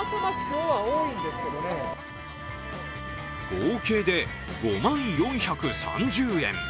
合計で５万４３０円。